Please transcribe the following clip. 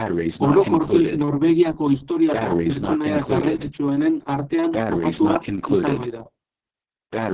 Orokorki Norvegiako historiako pertsonaia garrantzitsuenen artean kokatua izan ohi da.